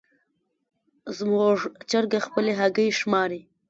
زموږ چرګه خپلې هګۍ شماري.